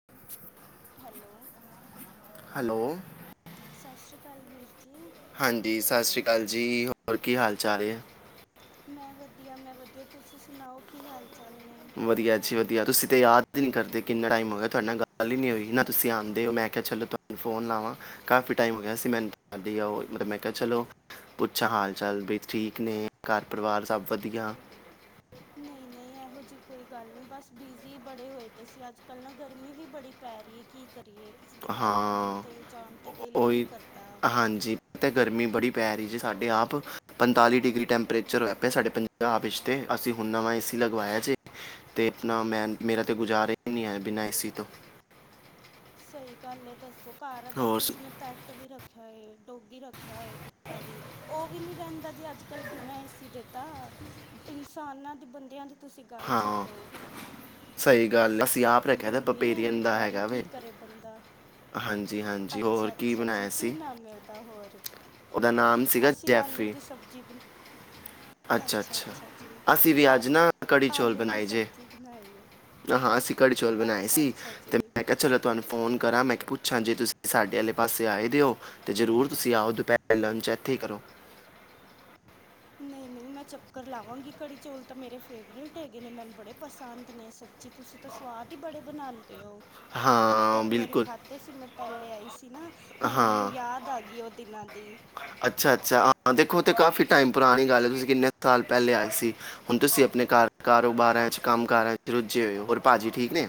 [unintelligible] Hello hello ਸਤਿ ਸ਼੍ਰੀ ਅਕਾਲ ਵੀਰ ਜੀ ਹਾਂਜੀ ਸਤਿ ਸ਼੍ਰੀ ਅਕਾਲ ਜੀ ਹੋਰ ਕੀ ਹਾਲ ਚਾਲ ਹੈ ਮੈਂ ਵਧੀਆ ਮੈਂ ਵਧੀਆ ਤੁਸੀਂ ਸੁਣਾਓ ਕੀ ਹਾਲ ਚਾਲ ਨੇ ਵਧੀਆ ਜੀ ਵਧੀਆ ਤੁਸੀਂ ਤਾਂ ਯਾਦ ਹੀ ਨਹੀਂ ਕਰਦੇ ਕਿੰਨਾ ਟਾਈਮ ਹੋ ਗਿਆ ਤੁਹਾਡੇ ਨਾਲ ਗੱਲ ਹੀ ਨਹੀਂ ਹੋਈ ਨਾ ਤੁਸੀਂ ਆਉਂਦੇ ਹੋ ਮੈਂ ਕਿਹਾ ਚਲੋ ਤੁਹਾਨੂੰ ਫ਼ੋਨ ਲਾਵਾਂ ਕਾਫ਼ੀ ਟਾਈਮ ਹੋ ਗਿਆ ਅਸੀਂ ਮੈਨ ਕਰਦੀਆ ਉਹ ਮਤਲਬ ਮੈਂ ਕਿਹਾ ਚਲੋ ਪੁੱਛਾਂ ਹਾਲ ਚਾਲ ਵੀ ਠੀਕ ਨੇ ਘਰ ਪਰਿਵਾਰ ਸਭ ਵਧੀਆ ਨਹੀਂ- ਨਹੀਂ ਇਹੋ ਜਿਹੀ ਕੋਈ ਗੱਲ ਨਹੀਂ, ਬਸ ਬਿਜ਼ੀ ਬੜੇ ਹੋਏ। ਤੇ ਸੀ ਅੱਜ- ਕੱਲ ਨਾ ਗਰਮੀ ਵੀ ਬੜੀ ਪੈ ਰਹੀ ਹੈ, ਕੀ ਕਰੀਏ। ਕਿਸੇ ਦੇ ਘਰ ਆਉਣ ਹਾਂ, 'ਤੇ ਜਾਣ 'ਤੇ ਦਿਲ ਹੀ ਨਹੀਂ ਉਹੀ ਕਰਦਾ ਹਾਂਜੀ, ਤੇ ਗਰਮੀ ਬੜੀ ਪੈ ਰਹੀ ਜੀ, ਸਾਡੇ ਆਪ ਪੰਤਾਲੀ ਡਿਗਰੀ ਟੈਂਪਰੇਚਰ ਹੋਇਆ ਪਿਆ ਸਾਡੇ ਪੰਜਾਬ 'ਚ ਤੇਅਸੀਂ ਹੁਣ ਨਵਾਂ ਏਸੀ ਲਗਵਾਇਆ ਜੇ, ਅਤੇ ਆਪਣਾ ਮੈਂ ਮੇਰਾ ਤਾਂ ਗੁਜ਼ਾਰਾ ਹੀ ਨਹੀਂ ਹੈ ਬਿਨਾਂ ਏਸੀ ਤੋਂ। ਸਹੀ ਗੱਲ ਹੈ, ਦੱਸੋ। ਘਰ ਅਗਰ ਹੋਰ ਸੁ- ਕਿਸੇ ਨੇ ਪੈਕਟ ਵੀ ਰੱਖ ਛ ਕੀ ਰੱਖਿਆ ਹੋਇਆ ਕੁੱਤਾ ਵੀ, ਉਹ ਉਹ ਵੀ ਨਹੀਂ ਰਹਿੰਦਾ ਜੇ, ਅੱਜ-ਕੱਲ ਬਿਨਾਂ ਏਸੀ ਦੇ ਤਾ ਇਨਸਾਨਾਂ ਤੇ ਬੰਦਿਆਂ ਦੀ ਤੁਸੀਂ ਗੱਲ ਹਾਂ, ਛੱਡੋ ਸਹੀ ਗੱਲ ਏ। ਗਰਮੀ ਇਨੀ ਪੈ ਰਹੀ ਕੀ ਕਰੇ ਬੰਦਾ। [inaudible] ਹੋਰ ਅੱਛਾ ਕੀ -ਅੱਛਾ ਜੀ। ਬਣਾਇਆ ਕੀ ਸੀ ਨਾਮ ਮਿਲਦਾ ਹੋਰ ਉਹਦਾ ਨਾਮ ਸੀਗਾ ਅਸੀਂ ਆਲੂ ਜੈਫਰੀ ਦੀ ਸਬਜ਼ੀ। ਅੱਛਾ- ਅੱਛਾ ਜੀ ਅਸੀਂ ਵੀ ਆ ਅੱਜ ਨਾ ਕੜੀ ਚੌਲ ਆਲੂ ਦੀ ਬਣਾਏ ਜੇ ਸਬਜ਼ੀ ਬਣਾਈਏ। ਹਾਂ, ਅਸੀਂ ਕੜੀ ਚੋਲ ਬਣਾਏ ਸੀ, ਜੀ ਤੇ ਮੈਂ ਕਿਹਾ ਚਲੋ ਤੁਹਾਨੂੰ ਫੋਨ ਕਰ ਮੈਂ ਪੁੱਛਾਂ ਜੇ ਤੁਸੀਂ ਸਾਡੇ ਵਾਲੇ ਪਾਸੇ ਆਏ ਦਿਓ ਤੇ ਜ਼ਰੂਰ ਤੁਸੀਂ ਆਓ, ਦੁਪਹਿਰ ਲੰਚ ਐਥੇ ਈ ਕਰੋ। ਨਹੀਂ -ਨਹੀਂ ਮੈਂ ਚੱਕਰ ਲਾਵਾਂਗੀ ਕੜੀ ਚੌਲ ਤਾਂ ਮੇਰੇ ਫੇਵਰੇਟ ਹੈਗੇ ਨੇ, ਮੈਨੂੰ ਬੜੇ ਪਸੰਦ ਨੇ ਸੱਚੀ ਤੁਸੀਂ ਤਾਂ ਸਵਾਦ ਹੀ ਬੜੇ ਬਣਾਂ ਅਤੇ, ਉਹ ਹਾਂ ਇੱਕ ਵਾਰੀ ਬਿਲਕੁਲ ਖਾਧੇ ਸੀ। ਮੈਂ, ਪਹਿਲੇ ਆਈ ਸੀ। ਨਾ, ਹੁਣ ਹਾਂ ਮੈਨੂੰ ਯਾਦ ਆ ਗਈ ਉਹ ਦਿਨਾਂ ਦੀ। ਅੱਛਾ ਅੱਛਾ ਹਾਂ ਦੇਖੋ ਤੇ, ਕਾਫੀ ਟਾਈਮ ਪੁਰਾਣੀ ਗੱਲ ਹੈ, ਤੁਸੀਂ ਕਿੰਨੇ ਸਾਲ ਪਹਿਲੇ ਆਏ ਸੀ, ਹੁਣ ਤੁਸੀਂ ਆਪਣੇ ਕਾਰ- ਕਾਰੋਬਾਰਾਂ 'ਚ ਕੰਮ ਕਾਰਾਂ 'ਚ ਰੁੱਝੇ ਹੋਏ ਹੋ। ਹੋਰ ਭਾਜੀ ਠੀਕ ਨੇ?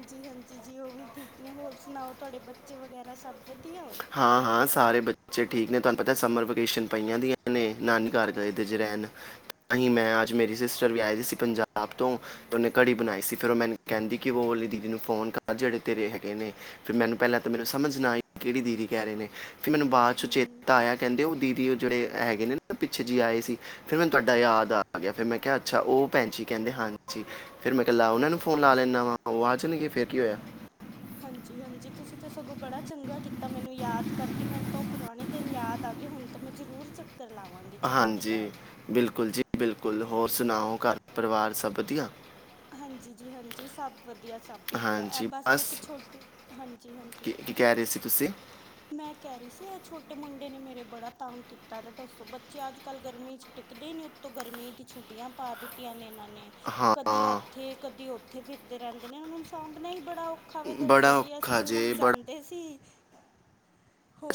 ਾਂਜੀ -ਹਾਂਜੀ ਜੀ, ਉਹ ਵੀ ਠੀਕ ਨੇ ਹੋਰ ਸੁਣਾਓ? ਤੁਹਾਡੇ ਬੱਚੇ ਵਗੈਰਾ ਸਭ ਵਧੀਆ ਹੂੰ ਹਾਂ- ਹਾਂ ਸਾਰੇ ਬੱਚਚੇ ਠੀਕ ਐ, ਤੁਹਾਨੂੰ ਪਤਾ ਸਮਰ ਵੇਕੇਸ਼ਨ ਪਈਆਂ ਦੀਆਂ ਨੇ ਨਾਨੀ ਘਰ ਗਏ ਦੇ ਜੇ ਰਹਿਣ, ਤਾਹੀ ਮੈਂ ਅੱਜ ਮੇਰੀ ਸਿਸਟਰ ਵੀ ਆਈ ਦੀ ਸੀ ਪੰਜਾਬ ਤੋਂ, ਉਹਨੇ ਕੜੀ ਬਣਾਈ ਸੀ ਫੇਰ ਉਹ ਮੈਨੂੰ ਕਹਿੰਦੀ ਕਿ ਉਹਲੀ ਦੀਦੀ ਨੂੰ ਫੋਨ ਕਰ ਜਿਹੜੇ ਤੇਰੇ ਹੈਗੇ ਨੇ, ਫ਼ਿਰ ਮੈਨੂੰ ਪਹਿਲਾਂ ਤਾਂ ਮੈਨੂੰ ਸਮਝ ਨਾ ਆਈ ਕਿਹੜੀ ਦੀਦੀ ਕਹਿ ਰਹੇ ਨੇ ਫਿਰ ਮੈਨੂੰ ਬਾਅਦ 'ਚ ਹੂੰ ਚੇਤਾ ਆਇਆ ਕਹਿੰਦੇ ਉਹ ਦੀਦੀ ਉਹ ਜਿਹੜੇ ਹੈਗੇ ਨੇ ਨਾ, ਪਿੱਛੇ ਜਿਹ ਆਏ ਸੀ ਫਿਰ, ਮੈਨੂੰ ਤੁਹਾਡਾ ਯਾਦ ਆ ਗਿਆ ਫਿਰ ਮੈਂ ਕਿਹਾ ਅੱਛਾ ਉਹ ਭੈਣਜੀ ਕਹਿੰਦੇ, ਹਾਂਜੀ। ਫਿਰ ਮੈਂ, ਕੱਲਾ ਉਹਨਾਂ ਨੂੰ ਫੋਨ ਲਾ ਲੈਂਨਾ ਵਾਂ ਉਹ ਆ ਜਾਣਗੇ ਫੇਰ ਕੀ ਹੋਇਆ। ਹਾਂਜੀ-ਹਾਂਜੀ ਤੁਸੀਂ ਤਾਂ ਸਗੋਂ ਬੜਾ ਚੰਗਾ ਕੀਤਾ ਮੈਨੂੰ ਯਾਦ ਕਰਕੇ, ਮੈਨੂੰ ਤਾਂ ਉਹ ਪੁਰਾਣੇ ਦਿਨ ਯਾਦ ਆ ਗਏ ਹੁਣ ਤਾਂ ਮੈਂ ਜ਼ਰੂਰ ਚੱ ਹਾਂਜੀ। ਬਿਲਕੁਲ ਜੀ। ਬਿਲਕੁਲ ਕੁੱਲ ਹੋਰ ਸੁਣਾਓ? ਘਰ-ਪਰਿਵਾਰ ਸਭ ਵਧੀਆ? ਹਾਂਜੀ ਜੀ। ਹਾਂਜੀ। ਸਭ ਵਧੀਆ- ਸਭ ਵਧੀਆ ਇਹ ਬਸ ਇੱਕ ਛੋਟੇ, ਹਾਂਜੀ- ਹਾਂਜੀ ਕੀ ਕੀ ਕਹਿ ਰਹੇ ਸੀ ਤੁਸੀਂ ਮੈਂ ਕਹਿ ਰਹੀ ਸੀ ਇਹ ਛੋਟੇ ਮੁੰਡੇ ਨੇ ਮੇਰੇ ਬੜਾ ਤੰਗ ਕੀਤਾ, ਦਾ ਦੱਸੋ ਬੱਚੇ ਅੱਜ-ਕੱਲ ਗਰਮੀ ਚ ਟਿਕਦੇ ਨੀ ਉੱਤੋਂ ਗਰਮੀ ਦੀਆ ਛੁੱਟੀਆਂ ਪਾ ਦਿੱਤੀਆਂ ਨੇ, ਇਹਨਾਂ ਨੇ ਹਾਂ। ਕਦੇ ਉੱਥੇ ਫਿਰਦੇ ਰਹਿੰਦੇ ਨੇ, ਇਹਨਾਂ ਨੂੰ ਸਾਂਭਣਾ ਹੀ ਬੜਾ ਔਖਾ ਔਖਾ ਵੇ, ਦੱਸੋ ਬੜਾ ਜੀ ਐ ਔਖਾ ਸਕੂਲ ਜੇ ਬੜਾ ਜਾਂਦੇ ਸੀ,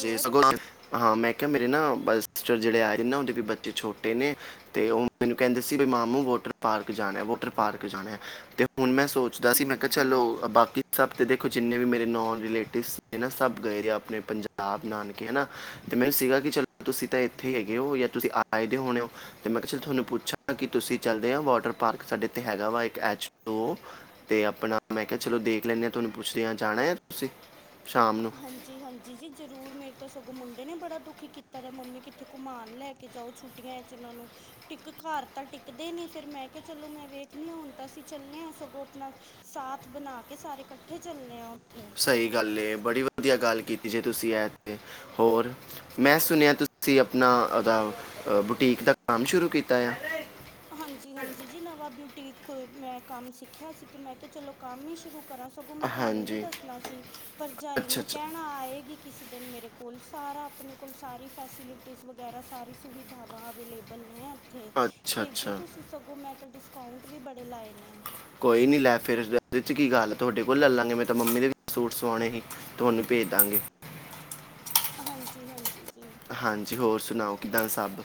ਜੇ ਸਗੋ ਨਾ, ਹਾਂ ਮੈਂ ਕਿਹਾ ਮੇ ਏ, ਨਾ ਬਸਟ ਰ ਜਿਹੜੇ ਆਏ ਨਾ ਉਹਦੇ ਵੀ ਬੱਚੇ ਛੋਟੇ ਨੇ, ਤੇ ਉਹ ਮੈਨੂੰ ਕਹਿੰਦੇ ਸੀ, ਵੀ ਮਾਮੂ ਵੋਟਰ ਪਾਰਕ ਜਾਨਾ, ਵੋਟਰ ਪਾਰਕ ਜਾਣਾ ਤੇ ਹੁਣ ਮੈਂ ਸੋਚਦਾ ਸੀ, ਮੈਂ ਕਿਹਾ ਹੂੰ ਚਲੋ ਹੂੰ ਬਾਕੀ ਸਭ ਤੇ ਦੇਖੋ ਜਿੰਨੇ ਵੀ ਮੇਰੇ ਨੌਨ ਰਿਲੇਟਿਵਸ ਨੇ ਨਾ ਸਭ ਗਏ ਦੇ ਆਪਣੇ ਪੰਜਾਬ ਆਪ ਨਾਨਕੇ ਆ ਨਾ ਤੇ ਮੈਨੂੰ ਸੀਗਾ, ਕਿ ਚਲੋ ਤੁਸੀਂ ਤਾਂ ਇੱਥੇ ਈ ਹੈਗੇ ਹੋ ਜਾਂ ਤੁਸੀਂ ਆਏ ਦੇ ਹੋਣੇ ਹੋ ਤੇ ਮੈਂ ਕਿਹਾ ਚ ਥੋਨੂੰ ਪੁੱਛਾ ਕੀ ਤੁਸੀਂ ਜਾਨੇ ਔ ਵਾਟਰ ਪਾਰਕ ਸਾਡੇ ਏਥੇ ਹੈਗਾ ਵਾ ਇੱਕ ਤੇ ਆਪਣਾ ਮੈਂ ਕਿਹਾ ਚਲੋ ਦੇਖ ਲੈਂਦੇ ਆ ਤੁਹਾਨੂੰ ਪੁੱਛਦੇ ਆ ਜਾਣਾ ਆ ਤੁਸੀਂ ਸ਼ਾਮ ਨੂੰ ਹਾਂਜੀ-ਹਾਂਜੀ ਜੀ, ਜ਼ਰੂਰ ਮੇਰੇ ਤੋਂ ਸਗੋਂ ਮੁੰਡੇ ਨੇ ਬੜਾ ਦੁਖੀ ਕੀਤਾ ਦਾ ਮੰਮੀ ਕਿੱਥੇ ਘੁੰਮਾਣ ਲੈ ਕੇ ਜਾਓ ਛੁੱਟੀਆਂ 'ਚ ਇਹਨਾਂ ਨੂੰ ਇਕ ਘਰ ਤਾਂ ਟਿਕਦੇ ਨਹੀਂ ਫਿਰ ਮੈਂ ਕਿਹਾ ਚਲੋ ਮੈਂ ਵੇਖਦੀ ਹੁਣ ਤਾਂ ਅਸੀਂ ਚੱਲੇ ਹਾਂ ਸਗੋਂ ਆਪਣਾ ਸਾਥ ਬਣਾ ਕੇ ਸਾਰੇ ਇਕੱਠੇ ਚੱਲਦੇ ਹਾਂ। ਉੱਥੇ ਸਹੀ ਗੱਲ ਏ ਬੜੀ ਵਾ ਵਧੀਆ ਗੱਲ ਕੀਤੀ ਜੇ ਤੁਸੀਂ ਏ ਤੇ ਹੋਰ, ਮੈਂ ਸੁਣਿਆ ਤੁਸੀਂ ਆਪਣਾ ਉਹਦਾ ਬੁਟੀਕ ਦਾ ਕੰਮ ਸ਼ੁਰੂ ਕੀਤਾ ਐ? ਹਾਂਜੀ-ਹਾਂਜੀ, ਜੀ ਨਵਾਂ ਬਿਊਟੀਕ ਮੈਂ ਕੰਮ ਸਿੱਖਿਆ ਸੀ ਤੇ ਮੈਂ ਕਿਹਾ ਚਲੋ ਕੰਮ ਹੀ ਸ਼ੁਰੂ ਕਰਾਂ ਸਗੋਂ ਮੈਂ ਤੁਹਾਨੂੰ ਵੀ ਹਾਂਜੀ ਦੱਸਣਾ ਸੀ ਭਰਜਾਈ ਅੱਛਾ ਨੂੰ ਅੱਛਾ ਕਹਿਣਾ ਆਏਗੀ ਕਿਸੀ ਦਿਨ ਮੇਰੇ ਕੋਲ ਸਾਰਾ ਆਪਣੇ ਕੋਲ ਸਾਰੀ ਫੈਸੀਲਿਟੀਜ਼ ਵਗੈਰਾ ਸਾਰੀ ਸੁਵਿਧਾਵਾਂ ਅਵੇਲੇਬਲ ਨੇ, ਤੇ, ਅੱਛਾ ਜੋ ਅੱਛਾ ਤੁਸੀਂ ਸਗੋਂ ਮੈਂ, ਅੱਜ ਕੱਲ੍ਹ ਡਿਸਕਾਊਂਟ ਵੀ ਬੜੇ ਲਾਏ ਨੇ ਕੋਈ ਨੀ ਲੈ ਫਿਰ ਉਹਦੇ ਚ ਕੀ ਗੱਲ ਹੈ ਤੁਹਾਡੇ ਕੋਲ ਲੈਲਾਂਗੇ ਮੈਂ ਤਾਂ ਮੰਮੀ ਦੇ ਸੂਟ ਸਵਾਣੇ ਸੀ ਉਹਨੂੰ ਭੇਜ ਦਾਂਗੇ। ਹਾਂਜੀ ਜੀ ਹਾਂਜੀ ਜੀ, ਹਾਂਜੀ ਹੋਰ ਸੁਣਾਓ ਕਿੱਦਾਂ ਸਭ?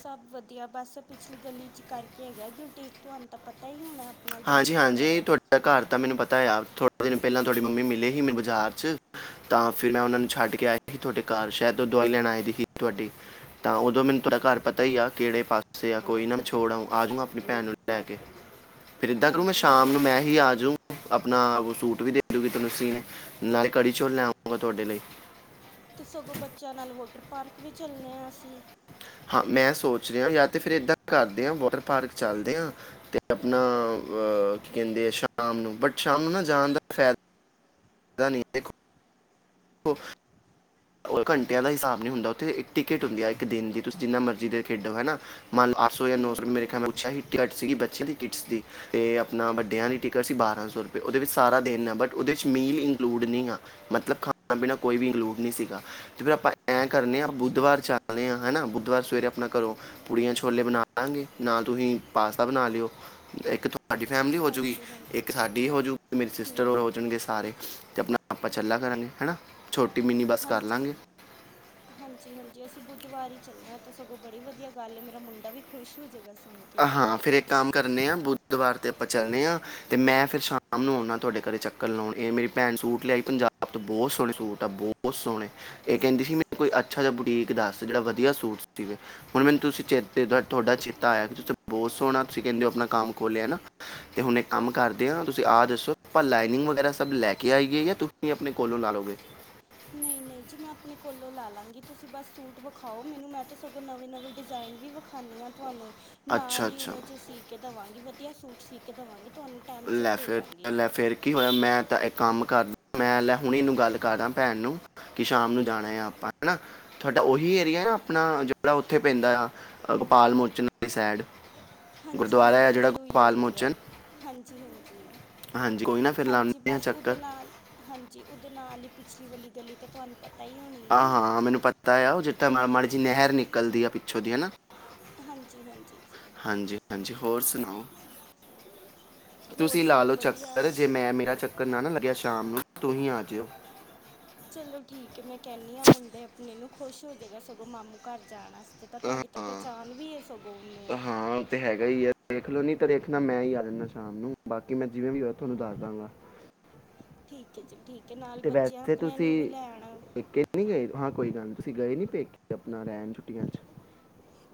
ਸਭ ਵਧੀਆ ਬਸ ਪਿਛਲੀ ਗਲੀ ਚ ਕਰਕੇ ਹੈਗਾ ਦੀ ਤੁਹਾਨੂੰ ਤਾਂ ਪਤਾ ਹੀ ਹੋਣਾ। ਆਪਣਾ ਡਰੈਸ ਹਾਂਜੀ-ਹਾਂਜੀ, ਵਗੈਰਾ ਤੁਹਾਡਾ ਘਰ ਤਾਂ ਮੈਨੂੰ ਪਤਾ ਆ। ਦਿ ਪਹਿਲਾਂ ਤੁਹਾਡੀ ਮੰਮੀ ਮਿਲੇ ਸੀ ਮੇਰੇ ਬਾਜ਼ਾਰ 'ਚ ਤਾਂ ਫਿਰ ਮੈਂ ਉਹਨਾਂ ਨੂੰ ਛੱਡ ਕੇ ਆਈ ਸੀ ਤੁਹਾਡੇ ਘਰ ਸ਼ਾਇਦ ਦਵਾਈ ਲੈਣ ਆਈ ਦੀ ਸੀ ਤੁਹਾਡੀ ਤਾਂ ਉਦੋਂ ਮੈਨੂੰ ਤੁਹਾਡਾ ਘਰ ਪਤਾ ਹੀ ਆ ਕਿਹੜੇ ਪਾਸੇ ਆ ਕੋਈ ਨਾ ਛੋੜ ਆਉਗਾ ਆ ਜਾਊਗਾ ਆਪਣੀ ਭੈਣ ਨੂੰ ਲੈ ਕੇ ਫਿਰ ਇਦਾਂ ਕਰੋ ਮੈਂ ਹਾਂਜੀ ਸ਼ਾਮ ਨੂੰ ਹਾਂਜੀ ਮੈਂ ਜੀ ਹੀ ਆਜੁ ਆਪਣਾ ਸੂਟ ਵੀ ਦੇਦੂਗੀ ਤੁਹਾਨੂੰ ਸੀਨ ਨਾਲੇ ਕੜੀ ਚੌਲ ਲੈਉਗਾ ਤੁਹਾਡੇ ਲਈ ਤੇ ਸਗੋਂ ਬੱਚਿਆਂ ਨਾਲ ਵਾਟਰ ਪਾਰਕ ਵੀ ਚੱਲਣੇ ਆ ਅਸੀਂ, ਹਾਂ ਮੈਂ ਸੋਚ ਰਿਹਾ ਜਾਂ ਤੇ ਫਿਰ ਏਦਾਂ ਕਰਦੇ ਹਾਂ ਵਾਟਰ ਪਾਰਕ ਚੱਲਦੇ ਆ ਤੇ ਆਪਣਾ ਕੀ ਕਹਿੰਦੇ ਆ ਸ਼ਾਮ ਨੂੰ ਬਟ ਸ਼ਾਮ ਨੂੰ ਨਾ ਜਾਣ ਦਾ ਫਾਇਦਾ। ਦਾ ਨੀ, [unintelligible] ਉਹ ਘੰਟਿਆਂ ਦਾ ਹਿਸਾਬ ਨਹੀਂ ਹੁੰਦਾ ਉਥੇ ਇਕ ਟਿਕਟ ਹੁੰਦੀ ਇੱਕ ਦਿਨ ਦੀ ਤੁਸੀਂ ਜਿੰਨਾ ਮਰਜ਼ਜੀ ਦੇਰ ਖੇਡੋ ਹਨਾ ਮੰਨਓ ਅੱਠ ਸੌ ਜਾਂ ਹੂੰ ਨੌ ਮੇਰੇ ਖਿਆਲ ਨਾਲ ਹੂੰ [unintelligible] ਸੀ ਬੱਚਿਆਂ ਦੀ ਕਿਟਸ ਦੀ ਤੇ ਆਪਣਾ ਵੱਡਿਆਂ ਦੀ ਟਿਕਟ ਸੀ ਬਾਰਾਂ ਸੌ ਰੁਪਏ ਉਹਦੇ ਵਿੱਚ ਸਾਰਾ ਦੇਣ ਆ ਬਟ ਉਹਦੇ ਵਿੱਚ ਮੀਲ ਇੰਕਲੂਡ ਨਹੀਂ ਆ ਮਤਲਬ ਖਾਣਾ ਪੀਣਾ ਕੋਈ ਵੀ ਇੰਕਲੂਡ ਨਹੀਂ ਸੀ। ਤੇ ਫਿਰ ਆਪਾਂ ਐ, ਕਰਨੇ ਆ ਅੱਛਾ ਬੁੱਧਵਾਰ ਅੱਛਾ ਚੱਲਦੇ ਹਾਂ ਹਨਾ ਬੁੱਧ ਸਵੇਰੇ ਆਪਣਾ ਘਰੋਂ ਪੂੜੀਆਂ ਛੋਲੇ ਬਣਾ ਲਵਾਂਗੇ ਨਾ ਤੁਸੀਂ ਪਾਸਤਾ ਬਣਾ ਲਿਓ ਇੱਕ ਸਾਡੀ ਫੈਮਿਲੀ ਹੋਜੂਗੀ ਹਾਂਜੀ ਹਾਂਜੀ ਇੱਕ ਸਾਡੀ ਹੋਜੂਗੀ ਮੇਰੇ ਸਿਸਟਰ ਹੂੰ ਹੋ ਹੋ ਜਾਣਗੇ ਸਾਰੇ ਤੇ ਆਪਣਾ ਆਪਾਂ ਚੱਲਾ ਕਰਾਂਗੇ ਹਨਾ ਛੋਟੀ ਮ ਹਾਂਜੀ-ਹਾਂਜੀ-ਹਾਂਜੀ, ਜੇ ਅਸੀਂ ਬੁੱਧਵਾਰ ਹੀ ਚੱਲਣਾ ਤਾਂ ਸਗੋਂ ਬੜੀ ਵਧੀਆ ਗੱਲ ਹੈ ਮੇਰਾ ਮੁੰਡਾ ਵੀ ਖੁਸ਼ ਹੋ ਜਾਵੇਗਾ। ਹਾਂ ਫਿਰ ਇੱਕ ਕੰਮ ਕਰਨੇ ਆ ਬੁ ਦੁਵਾਰ ਤੇ ਆਪਾਂ ਚੱਲਦੇ ਹਾਂ ਤੇ ਮੈਂ ਫੇਰ ਸ਼ਾਮ ਨੂੰ ਆਣ ਤੁਹਾਡੇ ਘਰੇ ਚੱਕਰ ਲਾਣ ਇਹ ਮੇਰੀ ਭੈਣ ਸੂਟ ਲਿਆਈ ਪੰਜਾਬ ਤੋਂ ਬਹੁਤ ਸੋਹਣੇ ਸੂਟ ਆ ਬਹੁਤ ਸੋਹਣੇ ਇਹ ਕਹਿੰਦੀ ਸੀ ਮੈਨੂੰ ਕੋਈ ਅੱਛਾ ਜਾ ਬੁਟੀਕ ਦੱਸ ਜਿਹੜਾ ਵਧੀਆ ਸੂਟ ਸੀਗਾ ਹੁਣ ਮੈਨੂੰ ਤੁਸੀਂ ਚੇਤੇ ਤੁਹਾਡਾ ਚੇਤਾ ਆਇਆ। ਬਹੁਤ ਸੋਹਣਾ ਤੁਸੀਂ ਕਹਿੰਦੇ ਹੋ ਆਪਣਾ ਕੰਮ ਖੋਲ੍ਹਿਆ ਹੈ ਨਾ ਤੇ ਹੁਣ ਇੱਕ ਕੰਮ ਕਰਦੇ ਆ ਤੁਸੀਂ ਆਹ ਦੱਸੋ ਆਪਾਂ ਲਾਈਨਿੰਗ ਵਗੈਰਾ ਸਭ ਲੈ ਕੇ ਆਈਏ ਜਾਂ ਤੁਸੀਂ ਆਪਣੇ ਕੋਲੋਂ ਲਾ ਲਓਗੇ। ਨਹੀਂ-ਨਹੀਂ ਜੀ ਮੈਂ ਆਪਣੇ ਕੋਲੋਂ ਲਾ ਲਾਂਗੀ ਤੁਸੀਂ ਬਸ ਸੂਟ ਵਿਖਾਓ ਮੈਨੂੰ ਮੈਂ ਤਾਂ ਸਗੋਂ ਨਵੇਂ ਨਵੇਂ ਡਿਜ਼ਾਇਨ ਵੀ ਵਿਖਾਨੀ ਹਾਂ ਤੁਹਾਨੂੰ ਅੱਛਾ ਨਾਲ ਹੀ ਅੱਛਾ ਉਵੇਂ ਚ ਸੀ ਕੇ ਦੇਵਾਂਗੀ ਵਧੀਆ ਸੂਟ ਸਖਤ ਵਾਂ ਲੈ ਫਿਰ ਲੈ ਫੇਰ ਕੀ ਹੋਇਆ ਮੈਂ ਤਾਂ ਇਹ ਕੰਮ ਕਰਦਾ ਮੈਂ ਲੈ ਹੁਣੇ ਇਹਨੂੰ ਗੱਲ ਕਰਦਾ। ਭੈਣ ਨੂੰ ਕਿ ਸ਼ਾਮ ਨੂੰ ਜਾਣਾ ਆ ਆਪਾਂ ਹੈ। ਤੁਹਾਡਾ ਉਹੀ ਏਰੀਆ ਨਾ ਆਪਣਾ ਜਿਹੜਾ ਉੱਥੇ ਪੈਂਦਾ ਆ ਗੋਪਾਲ ਮੋਚਨ ਵਾਲੀ ਸਾਈਡ ਹਾਂਜੀ ਗੁਰਦੁਆਰਾ ਹੈ ਹਾਂਜੀ ਜਿਹੜਾ ਜੀ ਉਹੀ ਗੋਪਾਲ ਹੋਈ ਦੀ ਹੈ ਮੋਚਨ ਹਾਂਜੀ ਹਾਂਜੀ ਹਾਂਜੀ ਕੋਈ ਨਾ ਫਿਰ ਹਾਂਜੀ ਲਾਉਂਦੇ ਆ ਬਸ ਉਹਦੇ ਚੱਕਰ ਨਾਲ ਹਾਂਜੀ ਨਾਲ ਹੀ ਪਿਛਲੀ ਵਾਲੀ ਗਲੀ ਤੇ ਤੁਹਾਨੂੰ ਪਤਾ ਹੈ ਹੋਣੀ ਹਾਂ ਹਾਂ ਮੈਨੂੰ ਪਤਾ ਆ ਉਹ ਜਿੱਥੇ ਮਾੜੀ ਜੀ ਨਹਿਰ ਨਿਕਲਦੀ ਆ ਪਿੱਛੋਂ ਦੀ ਹਨਾ ਹਾਂਜੀ ਹਾਂਜੀ ਜੀ ਹਾਂਜੀ ਹਾਂਜੀ ਹੋਰ ਸੁਣਾਓ। ਹੋਰ ਤੁਸੀਂ ਲਾ ਸਭ ਲੋੋ ਵਧੀਆ ਚੱਕਰ ਜੇ ਮੈਂ ਮੇਰਾ ਚੱਕਰ ਨਾ ਨਾ ਲੱਗਿਆ ਸ਼ਾਮ ਨੂੰ ਤੁਸੀ ਆ [unintelligible] ਚਲੋ ਠੀਕ ਹੈ ਮੈਂ ਕਹਿੰਦੀ ਹਾਂ ਮੁੰਡੇ ਆਪਣੇ ਨੂੰ ਖੁਸ਼ ਹੋ ਜਾਏਗਾ ਸਗੋਂ ਮਾਮੂ ਘਰ ਜਾਣਾ। ਤੇ ਤਾਂ ਤੁਹਾਡੀ ਤਾਂ ਹਾਂ ਪਹਿਚਾਣ ਵੀ ਹੈ। ਸਗੋਂ ਉਹਨੂੰ ਹਾਂ ਤੇ ਹੈਗਾ ਹੀ ਹੈ ਦੇਖਲੋ ਨੀ ਤਾਂ ਦੇਖਦਾ ਮੈਂ ਹੀ ਆ ਜਾਂਦਾ। ਸ਼ਾਮ ਨੂੰ ਬਾਕੀ ਮੈਂ ਜਿਵੇਂ ਵੀ ਹੋ ਤੁਹਾਨੂੰ ਦੱਸ ਦਾਂਗਾ। ਠੀਕ ਹੈ ਜੀ ਠੀਕ ਹੈ ਨਾਲ ਤੇ ਬੱਚਿਆਂ ਵੈਸੇ ਆਪਣਿਆਂ ਤੁਸੀਂ ਨੂੰ ਵੀ ਲੈ ਆਉਣਾ ਪੇਕੇ ਨਹੀਂ ਗਏ ਹਾਂ ਕੋਈ ਗੱਲ ਨੀ ਤੁਸੀਂ ਗਏ ਨੀ ਪੇਕੇ ਆਪਣਾ ਰਹਿਣ ਛੁੱਟੀਆਂ ਚ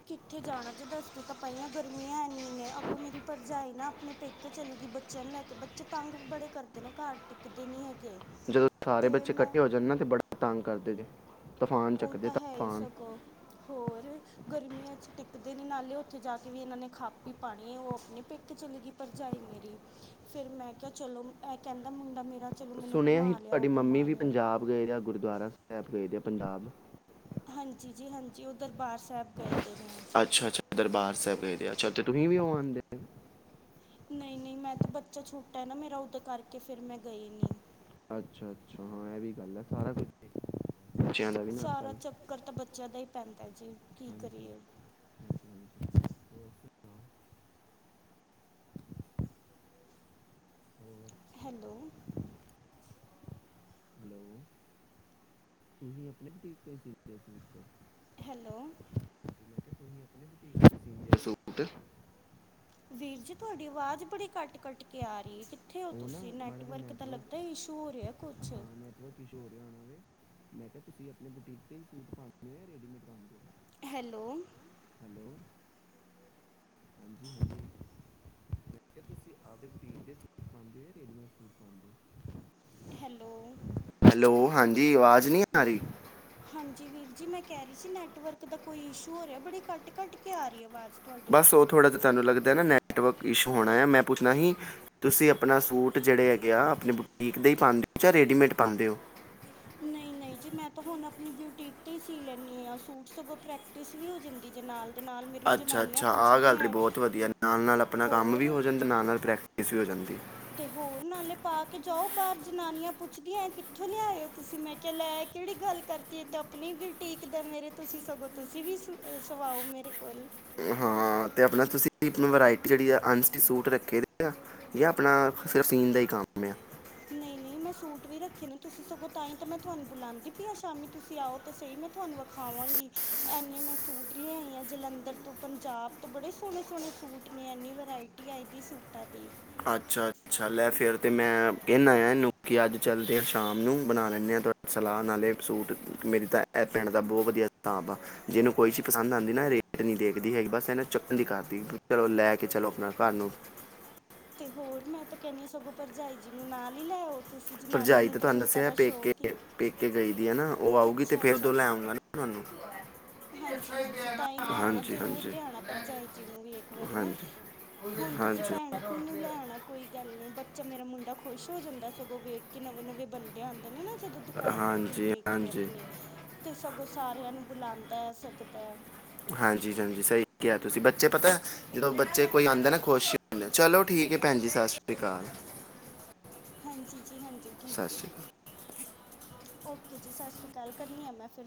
ਕਿੱਥੇ ਜਾਣਾ ਜੇ ਦੱਸਦੀ ਤਾਂ ਪਾਈਆਂ ਗਰਮੀਆਂ ਇਨੀਆਂ ਨੇ ਅੱਗੋਂ ਮੇਰੀ ਭਰਜਾਏ ਨਾ ਆਪਣੇ ਪੇਕੇ ਚਲੀ ਗਈ ਬੱਚਿਆਂ ਨੂੰ ਲੈ ਕੇ ਬੱਚੇ ਤੰਗ ਬੜੇ ਕਰਦੇ ਨੇ ਘਰ ਟਿੱਕਦੇ ਨੀ ਹੈਗੇ। ਜਦੋਂ ਸਾਰੇ ਤੇ ਬੱਚੇ ਮੈਂ ਇਕੱਠੇ ਹੋ ਜਾਣ ਨਾ ਤੇ ਬੜਾ ਤੰਗ ਕਰਦੇ ਨੇ ਉਹ ਤਾਂ ਹੈ ਹੀ ਸਗੋਂ ਹੋਰ ਗਰਮੀਆਂ ਚ ਦੇ ਨ ਨਾਲੇ ਉੱਥੇ ਜਾ ਕੇ ਵੀ ਇਹਨਾਂ ਨੇ ਖਾ ਪੀ ਪਾਣੀ ਉਹ ਆਪਣੀ ਪਿੱਕੇ ਚਲੀ ਗਈ ਭਰਜਾਈ ਮੇਰੀ ਫੇਰ ਮੈਂ ਕਿਹਾ ਚਲੋ ਇਹ ਕਹਿੰਦਾ ਮੁੰਡਾ ਮੇਰਾ ਚਲੋ ਮੈਨੂੰ ਸੁਣਿਆ ਹੀ ਘੁਮਾ ਲਿਆਓ ਤੁਹਾਡੀ ਮੰਮੀ ਘੁਮਾ ਵੀ ਲਿਆਓ ਪੰਜਾਬ ਗਏ ਆ। ਗੁਰੂਦੁਆਰਾ ਸਾਹਿਬ ਗਏ ਆ। ਪੰਜਾਬ ਹਾਂਜੀ ਜੀ ਹਾਂਜੀ ਉਹ ਦਰਬਾਰ ਸਾਹਿਬ ਗਏ ਦੇ ਨੇ ਅੱਛਾ ਅੱਛਾ ਦਰਬਾਰ ਸਾਹਿਬ ਚ ਤੁਸੀਂ ਵੀ ਉਹ ਆਉਂਦੇ। ਨਹੀਂ ਨਹੀਂ ਮੈਂ ਤਾਂ ਬੱਚਾ ਛੋਟਾ ਨਾ ਮੇਰਾ ਉਓਦ ਕਰਕੇ ਫੇਰ ਮੈਂ ਗਈ ਨੀ। ਅੱਛਾ ਅੱਛਾ ਹਾਂ ਇਹ ਵੀ ਗੱਲ ਆ ਸਾਰਾ ਕੁਛ ਠ ਸਾਰਾ ਚੱਕਰ ਤਾਂ ਬੱਚਿਆਂ ਦਾ ਹੀ ਪੈਂਦਾ ਜੀ ਕੀ ਹਾਂਜੀ ਕਰੀਏ। ਹਾਂਜੀ ਹਾਂਜੀ [inaudible] ਹਮ [inaudible] ਹੈਲੋ ਹੈਲੋ ਤੁਸੀਂ ਆਪਣੇਖਦੇੂ [unintelligible] ਹੈਲੋ ਤ ਆਪਣੇ ਸੂਟ [unintelligible] ਵੀਰ ਜੀ ਤੁਹਾਡੇ ਤੁਹਾਡੀ ਆਵਾਜ਼ ਬੜੀ ਕੱਟ ਕੱਟ ਕੇ ਆ ਰਹੀ ਕਿੱਥੇ ਹੋ ਉਹ ਨਾ ਤੁਸੀਂ ਮਾੜਾ ਜਿਹਾ ਨੈਟਵਰਕ ਦਾ ਲੱਗਦਾ ਇਸ਼ੂ ਹੋ ਰਿਹਾ ਕੁਛ ਹਾਂ ਨੈਟਵਰਕ ਇਸ਼ੂ ਹੋ ਰਿਹਾ ਹੋਣਾ ਵੇ ਮੈਂ ਕਿਹਾ ਤੁਸੀਂ ਆਪਣੇ ਬੁਟੀਕ 'ਤੇ ਹੀ ਸੂਟ ਪਾਉਂਦੇ ਹੋ ਜਾਂ ਰੈਡੀਮੇਡ ਪਾਉਂਦੇ ਹੋ ਹੈਲੋ ਹੈਲੋ ਹਾਂਜੀ ਹਾਂਜੀ [unintelligible] ਤੁਸੀਂ ਆਪਦੇ ਬੁਟੀਕ ਦੇ ਸੂਟ ਪਾਉਦੇ ਹੋ ਜਾਂ ਰੇਡੀਮੇਡ ਸੂਟ ਪਾਉਂਦੇ ਹੋ ਹੈਲੋ ਹੈਲੋ ਹਾਂਜੀ ਆਵਾਜ਼ ਨਹੀਂ ਆ ਰਹੀ ਹਾਂਜੀ ਵੀਰ ਜੀ ਮੈਂ ਕਹਿ ਰਹੀ ਸੀ ਨੈਟਵਰਕ ਦਾ ਕੋਈ ਇਸ਼ੂ ਹੋ ਰਿਹਾ ਬੜੀ ਕੱਟ ਕੱਟ ਕੇ ਆ ਰਹੀ ਆਵਾਜ਼ ਤੁਹਾਡੀ ਬਸ ਉਹ ਥੋੜਾ ਜ ਤੁਹਾਨੂੰ ਲੱਗਦਾ ਨਾ ਨ [unintelligible] [unintelligible] ਨੈਟਵਰਕ ਇਸ਼ੂ ਹੋਣਾ ਆ ਮੈਂ ਪੁੱਛਣਾ ਸੀ ਤੁਸੀਂ ਆਪਣਾ ਸੂਟ ਜਿਹੜੇ ਹੈਗੇ ਆ ਆਪਣੀ ਬੁਟੀਕ ਦੇ ਹੀ ਪਾਉਂਦੇ ਹੋ ਜਾਂ ਰੈਡੀਮੇਡ ਪਾਉਂਦੇ ਹੋ ਨਹੀਂ ਨਹੀਂ ਜੀ ਮੈਂ ਤਾਂ ਹੁਣ ਆਪਣੀ ਬੁਟੀਕ ਤੇ ਹੀ ਸੀ ਲੈਂਦੀ ਹਾਂ ਸੂਟ ਸਗੋਂ ਪ੍ਰੈਕਟਿਸ ਵੀ ਹੋ ਜਾਂਦੀ ਜੇ ਨਾਲ ਦੇ ਨਾਲ ਮੇਰੀ ਅੱਛਾ ਜਨਾਨੀਆਂ ਅੱਛਾ ਆਹ ਗੱਲ ਰੀ ਪੁੱਛਦੀਆਂ ਬਹੁਤ ਵਧੀਆ ਨਾਲ ਨਾਲ ਆਪਣਾ ਕੰਮ ਵੀ ਹੋਰ ਹੋ ਜਾਣ ਅਤੇ ਨਾਲ ਨਾਲ ਪ੍ਰੈਕਟ ਪ੍ਰੇਕਟਿਸ ਹੋ ਜਾਂਦੀ ਤੇ ਹੋਰ ਨਾਲੇ ਪਾ ਕੇ ਜਾਓ ਬਾਹਰ ਜਨਾਨੀਆਂ ਪੁੱਛਦੀਆਂ ਕਿੱਥੋਂ ਲਿਆਇਓ ਤੁਸੀਂ ਮੈਂ ਕਿਹਾ ਲੈ ਕਿਹੜੀ ਗੱਲ ਕਰਤੀ ਏ ਤੇ ਆਪਣੀ ਵੀ ਬੁਟੀਕ ਦੇ ਮੇਰੇ ਤੁਸੀਂ ਸਗੋਂ ਤੁਸੀਂ ਵੀ ਸਵਾਓ ਮੇਰੇ ਕੋਲ [unintelligible] ਸੂਟ ਰੱਖੇ ਆ ਜਾਂ ਆਪਣਾਨ ਦਾ ਹੀ ਕੰ ਆ ਨਹੀਂ ਨਹੀਂ ਮੈਂ ਸੂਟ ਵੀ ਰੱਖੇ ਨੇ ਤੁਸੀਂ ਸਗੋਂ ਤਾਂ ਹੀ ਤਾਂ ਮੈਂ ਤੁਹਾਨੂੰ ਬੁਲਾਉਂਦੀ ਪਈ ਆ ਸ਼ਾਮੀ ਤੁਸੀਂ ਆਓ ਤਾਂ ਸਹੀ ਮੈਂ ਤੁਹਾਨੂੰ ਵਿਖਾਵਾਂਗੀ ਐੰਨੇ ਮੈਂ ਸੂਟ ਲਿਆ ਆਈ ਆ ਜਲੰਧਰ ਤੋਂ ਪੰਜਾਬ ਤੋਂ ਬੜੇ ਸੋਹਣੇ ਸੋਹਣੇ ਸੂਟ ਨੇ ਇਨੀ ਵਰਾਇਟੀ ਆਈ ਦੀ ਸੂਟਾਂ ਦੀ ਅੱਛਾ ਅੱਛਾ ਲੈ ਫਿਰ ਤਾਂ ਮੈਂ ਕਹਿੰਦਾ ਆ ਇਹਨੂੰ ਕਿ ਅੱਜ ਚੱਲਦੇ ਹਾਂ ਸ਼ਾਮ ਨੂੰ ਬਣਾ ਲੈਂਦੇ ਹਾਂ ਤੁਹਾ ਸਲਾਹ ਨਾਲੇ ਸੂਟ ਮੇਰੀ ਤਾਂ ਇਹ ਪਿੰਣ [unintelligible] ਦਾ ਬਹੁਤ ਵਧੀਆ ਹਿਸਾਬ ਆ ਇਹਨੂੰ ਕੋਈ ਚੀਜ਼ ਪਸੰਦ ਆਉਂਦੀ ਨਾ ਰੇਟ ਨਹੀਂ ਦੇਖਦੀ ਹੈਗੀ ਬਸ ਇਹਨੂੰ ਚੁੱਕਣ ਦੀ ਕਰਦੀ ਚਲੋ ਲੈ ਕੇ ਚਲੋ ਆਪਣਾ ਘਰ ਨੂੰ ਤੇ ਹੋਰ ਮੈਂ ਤਾਂ ਕਹਿੰਨੀ ਹਾਂ ਸਗੋਂ ਭਰਜਾਈ ਜੀ ਨੂੰ ਨਾਲ ਲ ਲੈ [unintelligible] ਜਨਾਨੀਆਂ ਭਰਜਾਈ ਨੂੰ ਤੇ ਤਾਂ ਤੁਹਾਨੂੰ ਸੂਟਾਂ ਦੱਸਿਆ ਦਾ ਪੇਕੇ ਸ਼ੌਕ ਹੀ ਪੇਕੇ ਗਈ ਦੀ ਹੈ ਨਾ ਉਹ ਆਊਗੀ ਤੇ ਅੱਛਾ ਫਿਰ ਅੱਛਾ ਉਦੋਂ ਲੈ ਜੀ ਆਉਂਗਾ ਨਾ ਤੁਹਾਨੂੰ ਹਾਂਜੀ ਹਾਂਜੀ ਤਾਂ ਹੀ ਲਿਆਨਾ ਹਾਂਜੀ ਜਰੂਰ ਹਾਂਜੀ ਲਿਆਣਾ ਪਰਜਾਈ ਜੀ ਨੂੰ ਵੀ ਇੱਕ ਵਾਰੀ ਨਾ ਹਾਂਜੀ ਹੁਣ ਤੁਸੀਂ ਹਾਂਜੀ ਭੈਣ ਨੂੰ ਲੈਣਾ ਕੋਈ ਗੱਲ ਨੀ ਬੱਚਾ ਮੇਰਾ ਮੁੰਡਾ ਖੁਸ਼ ਹੋ ਜਾਂਦਾ ਸਗੋਂ ਵੇਖ ਕੇ ਨਵੇਂ ਨਵੇਂ ਬੰਦੇ ਆਉਂਦੇ ਨਾ ਜਦੋਂ ਦੁਕਾਨ ਤੇ ਹਾਂਜੀ ਬੁਟੀਕ ਤੇ ਹਾਂਜੀ ਆਪਣੀ ਤੇ ਸਗੋਂ [unintelligible] ਸਾਰਿਆਂ ਨੂੰ ਬੁਲਾਉਂਦਾ ਹੈ ਸੱਦਦਾ ਹੈ ਹਾਂਜੀ ਹਾਂਜੀ ਸਹੀ ਕਿਹਾ ਤੁਸੀਂ ਬੱਚੇ ਪਤਾ ਜਦੋਂ ਬੱਚੇ ਕੋਈ ਆਉਂਦਾ ਨਾ ਖੁਸ਼ ਹੀ ਹੁੰਦੇ ਚਲੋ ਠੀਕ ਹੈ ਭੈਣ ਜੀ ਸਤਿ ਸ੍ਰੀ ਅਕਾਲ ਹਾਂਜੀ ਜੀ ਹਾਂਜੀ ਸਤਿ ਠੀਕ ਹੈ ਸ਼੍ਰੀ ਅਕਾਲ ਓਕੇ ਜੀ ਸਤਿ ਸ੍ਰੀ ਅਕਾਲ ਕਰਨੀ ਆ ਮੈਂ ਫਿਰ